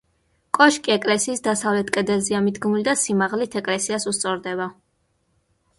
კოშკი ეკლესიის დასავლეთ კედელზეა მიდგმული და სიმაღლით ეკლესიას უსწორდება.